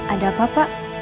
ada apa pak